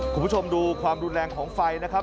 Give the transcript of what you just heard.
คุณผู้ชมดูความรุนแรงของไฟนะครับ